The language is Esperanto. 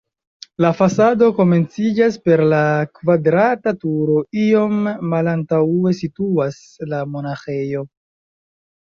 La fasado komenciĝas per la kvadrata turo, iom malantaŭe situas la monaĥejo.